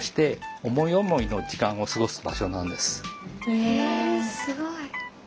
へえすごい。